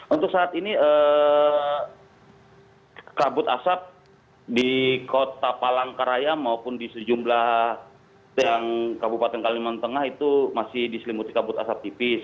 untuk saat ini kabut asap di kota palangkaraya maupun di sejumlah yang kabupaten kalimantan tengah itu masih diselimuti kabut asap tipis